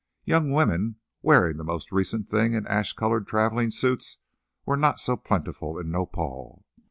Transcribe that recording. Young women wearing the most recent thing in ash coloured travelling suits were not so plentiful in Nopal!